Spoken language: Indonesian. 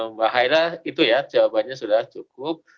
mbak haira itu ya jawabannya sudah cukup